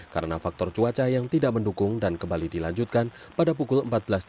karena faktor cuaca yang tidak mendukung dan kembali dilanjutkan pada pukul empat belas tiga puluh